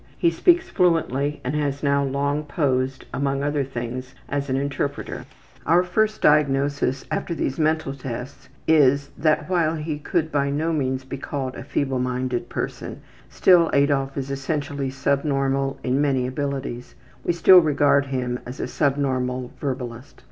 He speaks fluently and has now long posed, among other things, as an interpreter. Our final diagnosis after all these mental tests is, that while he could by no means be called a feebleminded person, still Adolf is essentially subnormal in many abilities we still regard him as a subnormal verbalist.